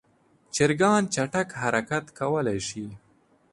چرګان چټک حرکت کولی شي.